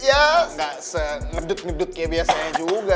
ya gak se ngedut ngedut kayak biasanya juga